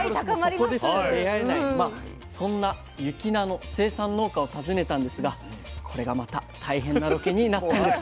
そこでしか出会えないそんな雪菜の生産農家を訪ねたんですがこれがまた大変なロケになったんです。